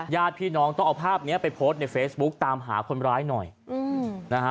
ญาติพี่น้องต้องเอาภาพนี้ไปโพสต์ในเฟซบุ๊กตามหาคนร้ายหน่อยอืมนะฮะ